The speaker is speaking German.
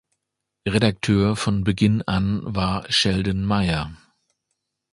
Redakteur von Beginn an war Sheldon Mayer.